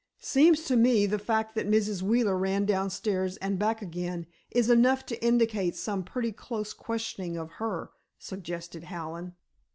"Seems to me the fact that Mrs. Wheeler ran downstairs and back again is enough to indicate some pretty close questioning of her," suggested Hallen.